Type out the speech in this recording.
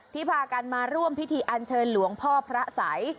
พากันมาร่วมพิธีอันเชิญหลวงพ่อพระสัย